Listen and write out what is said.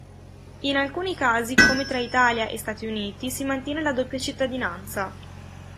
In alcuni casi, come tra Italia e Stati Uniti, si mantiene la doppia cittadinanza.